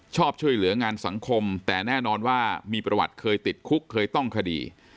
ชอบช่วยเหลืองานสังคมแต่แน่นอนว่ามีประวัติเคยติดคุกเคยต้องคดี